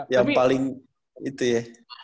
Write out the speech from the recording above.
yang paling itu ya